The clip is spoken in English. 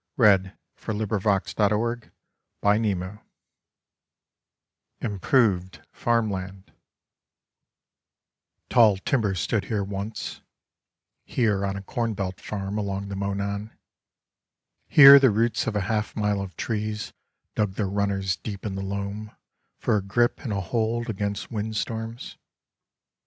Slabs of the Sunburnt West 63 IMPROVED FARM LAND Tall timber stood here once, here on a corn belt farm along the Monon. Here the roots of a half mile of trees dug their runners deep in the loam for a grip and a hold against wind storms.